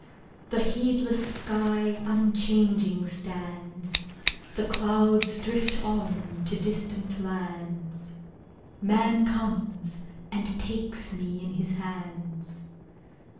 The heedless sky unchanging stands; The clouds drift on to distant lands; Man comes and takes me in his hands.